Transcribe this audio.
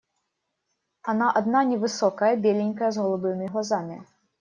Она одна невысокая, беленькая, с голубыми глазами.